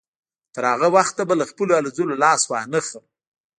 تر هغه وخته به له خپلو هلو ځلو لاس وانهخلم.